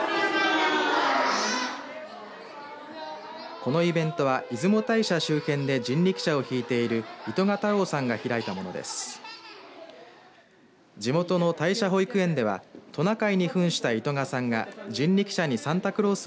このイベントは出雲大社周辺で人力車を引いている糸賀太郎さんが開いたものです。